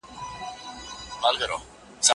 آفتونو پكښي كړي ځالګۍ دي